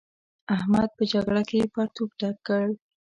احمد په جګړه کې پرتوګ ډک کړ.